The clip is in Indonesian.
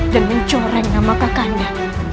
dan mencoreng nama kakak anda